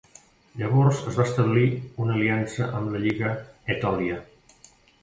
Llavors es va establir una aliança amb la Lliga Etòlia.